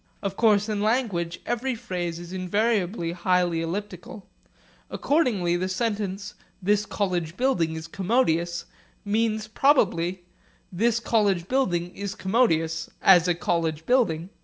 Of course in language every phrase is invariably highly elliptical. Accordingly the sentence 'This college building is commodious' means probably 'This college building is commodious as a college building.'